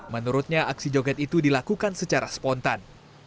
menurutnya aksi joget itu dilakukan secara spontan